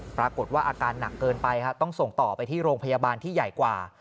ปรากฏว่าอาการหนักเกินไปต้องส่งต่อไปที่โรงพยาบาลที่ใหญ่กว่า